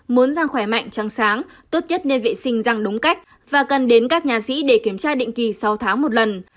muốn ra khỏe mạnh trăng sáng tốt nhất nên vệ sinh răng đúng cách và cần đến các nhà sĩ để kiểm tra định kỳ sáu tháng một lần